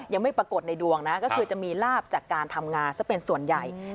ยังไม่ปรากฏในดวงนะก็คือจะมีลาบจากการทำงานซะเป็นส่วนใหญ่